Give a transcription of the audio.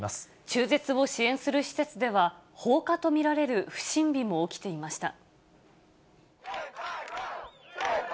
中絶を支援する施設では、放火と見られる不審火も起きていました。